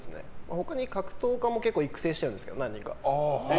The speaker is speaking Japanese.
他に格闘家も育成してるんですけど。